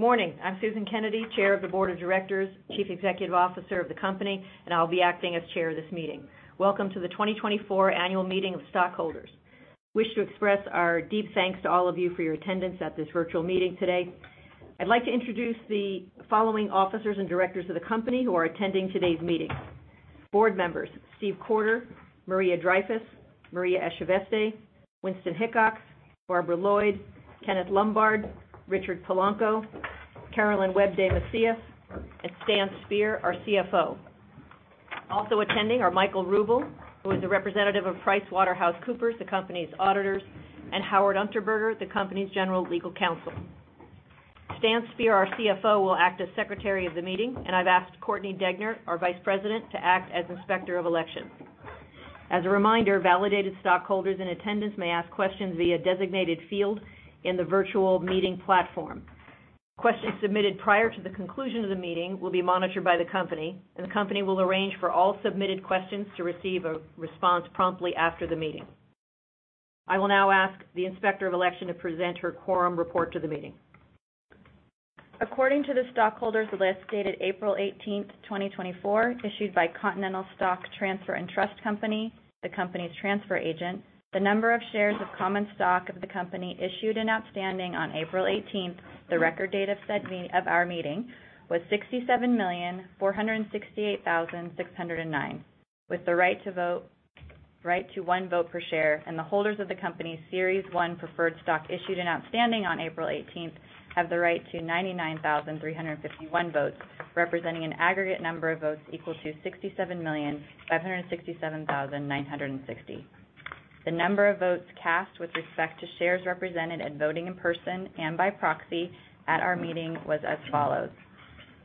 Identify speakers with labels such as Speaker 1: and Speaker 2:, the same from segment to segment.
Speaker 1: Good morning. I'm Susan Kennedy, chair of the board of directors, chief executive officer of the company, and I'll be acting as Chair of this meeting. Welcome to the 2024 annual meeting of stockholders. We wish to express our deep thanks to all of you for your attendance at this virtual meeting today. I'd like to introduce the following officers and directors of the company who are attending today's meeting. Board members, Stephen Courter, Maria Dreyfus, Maria Echaveste, Winston Hickox, Barbara Lloyd, Kenneth Lombard, Richard Polanco, Carolyn Webb de Macias, and Stan Speer, our CFO. Also attending are Michael Ruble, who is a representative of PricewaterhouseCoopers, the company's auditors, and Howard Unterberger, the company's general legal counsel. Stan Speer, our CFO, will act as Secretary of the meeting, and I've asked Courtney Degener, our Vice President, to act as Inspector of Election. As a reminder, validated stockholders in attendance may ask questions via designated field in the virtual meeting platform. Questions submitted prior to the conclusion of the meeting will be monitored by the company, and the company will arrange for all submitted questions to receive a response promptly after the meeting. I will now ask the Inspector of Election to present her quorum report to the meeting.
Speaker 2: According to the stockholders list dated April 18th, 2024, issued by Continental Stock Transfer & Trust Company, the company's transfer agent, the number of shares of common stock of the company issued and outstanding on April 18th, the record date of our meeting, was 67,468,609, with the right to one vote per share, and the holders of the company's Series 1 preferred stock issued and outstanding on April 18th have the right to 99,351 votes, representing an aggregate number of votes equal to 67,567,960. The number of votes cast with respect to shares represented and voting in person and by proxy at our meeting was as follows: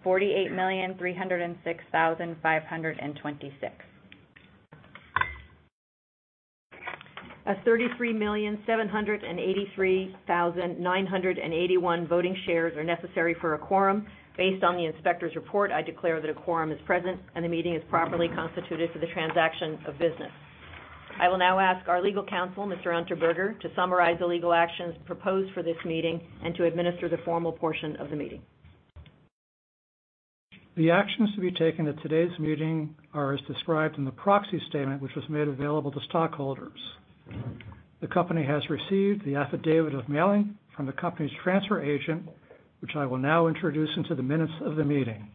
Speaker 2: 48,306,526.
Speaker 1: As 33,783,981 voting shares are necessary for a quorum, based on the Inspector's report, I declare that a quorum is present, and the meeting is properly constituted for the transaction of business. I will now ask our legal counsel, Mr. Unterberger, to summarize the legal actions proposed for this meeting and to administer the formal portion of the meeting.
Speaker 3: The actions to be taken at today's meeting are as described in the proxy statement, which was made available to stockholders. The company has received the affidavit of mailing from the company's transfer agent, which I will now introduce into the minutes of the meeting.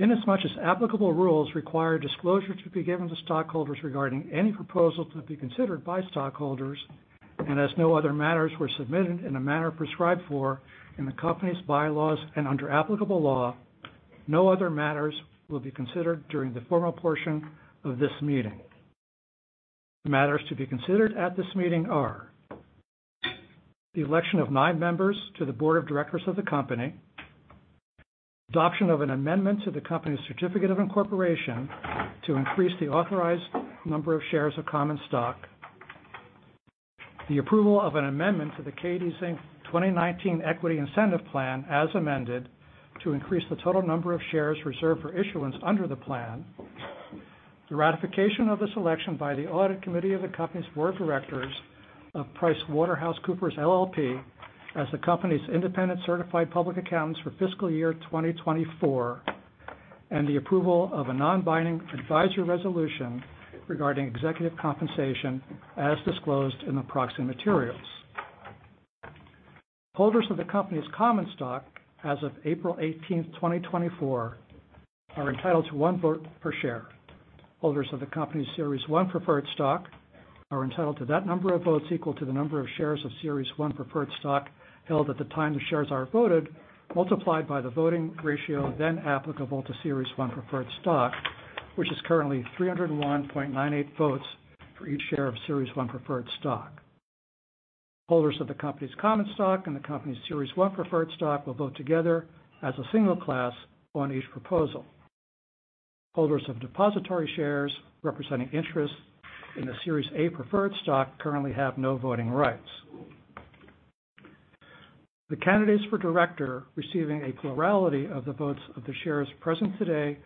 Speaker 3: Inasmuch as applicable rules require disclosure to be given to stockholders regarding any proposal to be considered by stockholders, and as no other matters were submitted in a manner prescribed for in the company's bylaws and under applicable law, no other matters will be considered during the formal portion of this meeting. The matters to be considered at this meeting are the election of nine members to the board of directors of the company, adoption of an amendment to the company's certificate of incorporation to increase the authorized number of shares of common stock, the approval of an amendment to the Cadiz, Inc. 2019 Equity Incentive Plan, as amended, to increase the total number of shares reserved for issuance under the plan, the ratification of the selection by the audit committee of the company's board of directors of PricewaterhouseCoopers LLP as the company's independent certified public accountants for fiscal year 2024, and the approval of a non-binding advisory resolution regarding executive compensation as disclosed in the proxy materials. Holders of the company's common stock as of April 18th, 2024, are entitled to one vote per share. Holders of the company's Series 1 preferred stock are entitled to that number of votes equal to the number of shares of Series 1 preferred stock held at the time the shares are voted, multiplied by the voting ratio then applicable to Series 1 preferred stock, which is currently 301.98 votes for each share of Series 1 preferred stock. Holders of the company's common stock and the company's Series 1 preferred stock will vote together as a single class on each proposal. Holders of depository shares representing interest in the Series A preferred stock currently have no voting rights. The candidates for director receiving a plurality of the votes of the shares present today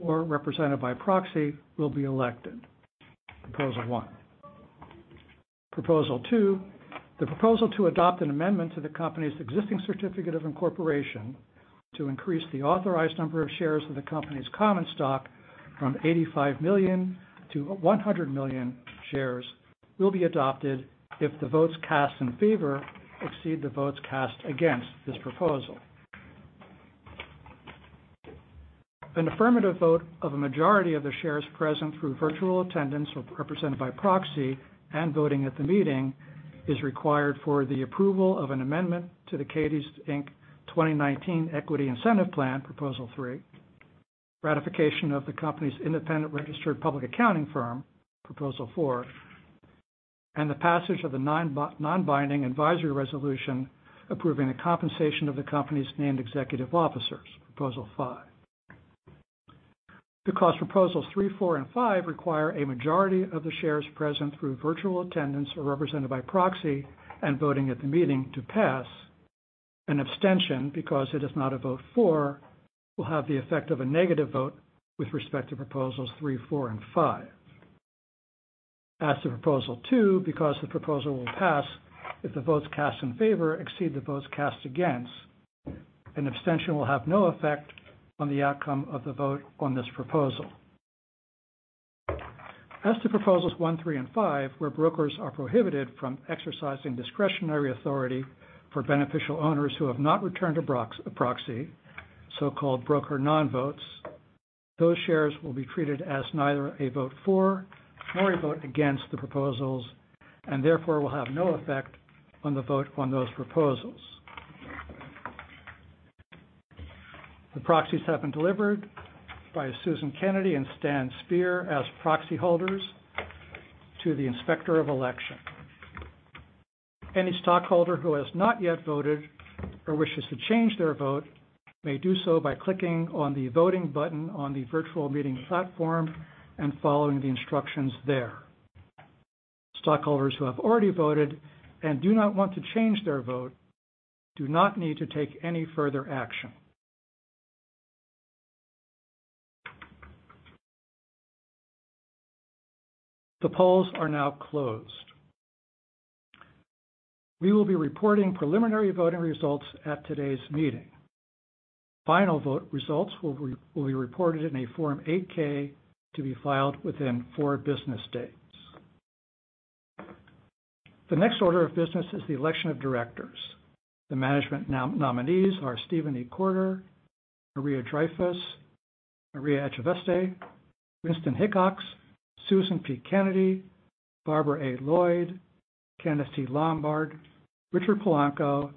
Speaker 3: or represented by proxy will be elected Proposal 1. Proposal 2, the proposal to adopt an amendment to the company's existing certificate of incorporation to increase the authorized number of shares of the company's common stock from 85 million to 100 million shares will be adopted if the votes cast in favor exceed the votes cast against this proposal. An affirmative vote of a majority of the shares present through virtual attendance or represented by proxy and voting at the meeting is required for the approval of an amendment to the Cadiz, Inc. 2019 Equity Incentive Plan, Proposal 3, ratification of the company's independent registered public accounting firm, Proposal 4, and the passage of the non-binding advisory resolution approving the compensation of the company's named executive officers, Proposal 5. Because Proposals 3, 4, and 5 require a majority of the shares present through virtual attendance or represented by proxy and voting at the meeting to pass, an abstention, because it is not a vote for, will have the effect of a negative vote with respect to Proposals 3, 4, and 5. As to Proposal 2, because the proposal will pass if the votes cast in favor exceed the votes cast against, an abstention will have no effect on the outcome of the vote on this proposal. As to Proposals one, three, and five, where brokers are prohibited from exercising discretionary authority for beneficial owners who have not returned a proxy, so-called broker non-votes, those shares will be treated as neither a vote for nor a vote against the proposals, and therefore will have no effect on the vote on those proposals. The proxies have been delivered by Susan Kennedy and Stanley Speer as proxy holders to the Inspector of Election. Any stockholder who has not yet voted or wishes to change their vote may do so by clicking on the voting button on the virtual meeting platform and following the instructions there. Stockholders who have already voted and do not want to change their vote do not need to take any further action. The polls are now closed. We will be reporting preliminary voting results at today's meeting. Final vote results will be reported in a Form 8-K to be filed within four business days. The next order of business is the election of directors. The management nominees are Stephen E. Courter, Maria Dreyfus, Maria Echaveste, Winston Hickox, Susan P. Kennedy, Barbara A. Lloyd, Kenneth C. Lombard, Richard Polanco,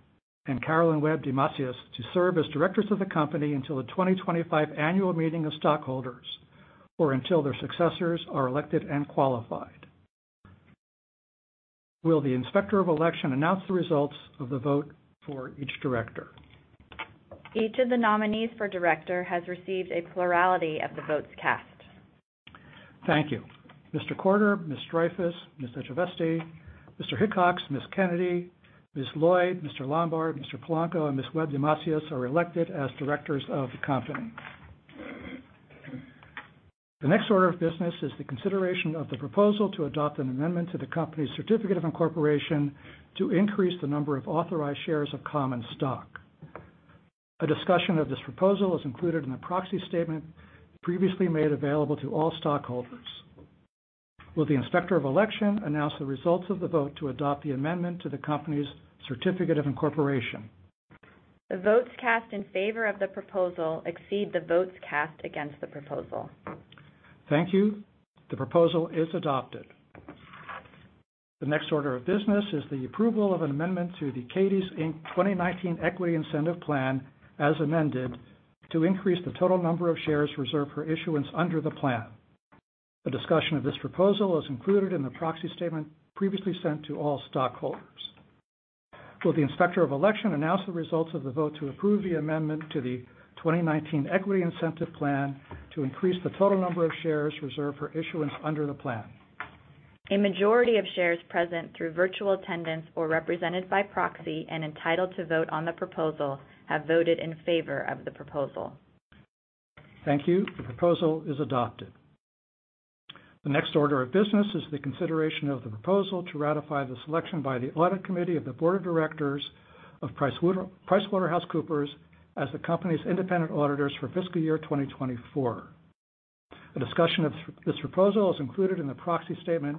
Speaker 3: and Carolyn Webb de Macias to serve as directors of the company until the 2025 annual meeting of stockholders or until their successors are elected and qualified. Will the Inspector of Election announce the results of the vote for each director?
Speaker 2: Each of the nominees for director has received a plurality of the votes cast.
Speaker 3: Thank you. Mr. Courter, Ms. Dreyfus, Ms. Echaveste, Mr. Hickox, Ms. Kennedy, Ms. Lloyd, Mr. Lombard, Mr. Polanco, and Ms. Webb de Macias are elected as directors of the company. The next order of business is the consideration of the proposal to adopt an amendment to the company's certificate of incorporation to increase the number of authorized shares of common stock. A discussion of this proposal is included in the proxy statement previously made available to all stockholders. Will the Inspector of Election announce the results of the vote to adopt the amendment to the company's certificate of incorporation?
Speaker 2: The votes cast in favor of the proposal exceed the votes cast against the proposal.
Speaker 3: Thank you. The proposal is adopted. The next order of business is the approval of an amendment to the Cadiz Inc. 2019 Equity Incentive Plan, as amended, to increase the total number of shares reserved for issuance under the plan. A discussion of this proposal is included in the proxy statement previously sent to all stockholders. Will the Inspector of Election announce the results of the vote to approve the amendment to the 2019 Equity Incentive Plan to increase the total number of shares reserved for issuance under the plan?
Speaker 2: A majority of shares present through virtual attendance or represented by proxy and entitled to vote on the proposal have voted in favor of the proposal.
Speaker 3: Thank you. The proposal is adopted. The next order of business is the consideration of the proposal to ratify the selection by the Audit Committee of the Board of Directors of PricewaterhouseCoopers as the company's independent auditors for fiscal year 2024. A discussion of this proposal is included in the proxy statement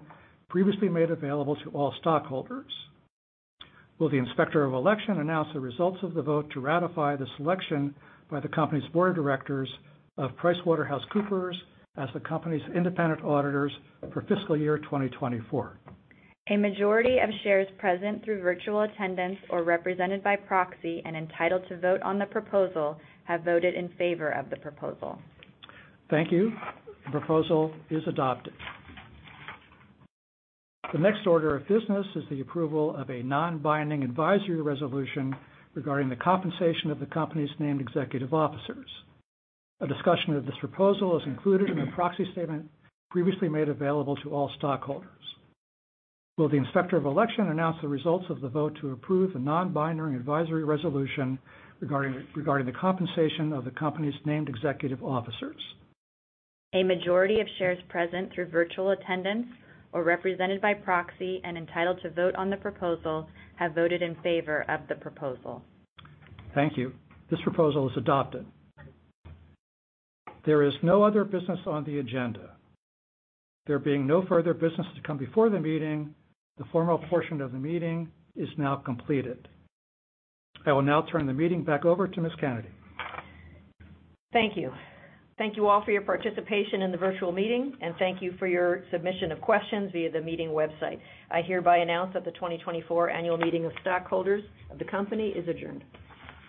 Speaker 3: previously made available to all stockholders. Will the Inspector of Election announce the results of the vote to ratify the selection by the company's Board of Directors of PricewaterhouseCoopers as the company's independent auditors for fiscal year 2024?
Speaker 2: A majority of shares present through virtual attendance or represented by proxy and entitled to vote on the proposal have voted in favor of the proposal.
Speaker 3: Thank you. The proposal is adopted. The next order of business is the approval of a non-binding advisory resolution regarding the compensation of the company's named executive officers. A discussion of this proposal is included in the proxy statement previously made available to all stockholders. Will the Inspector of Election announce the results of the vote to approve the non-binding advisory resolution regarding the compensation of the company's named executive officers?
Speaker 2: A majority of shares present through virtual attendance or represented by proxy and entitled to vote on the proposal have voted in favor of the proposal.
Speaker 3: Thank you. This proposal is adopted. There is no other business on the agenda. There being no further business to come before the meeting, the formal portion of the meeting is now completed. I will now turn the meeting back over to Ms. Kennedy.
Speaker 1: Thank you. Thank you all for your participation in the virtual meeting. Thank you for your submission of questions via the meeting website. I hereby announce that the 2024 annual meeting of stockholders of the company is adjourned.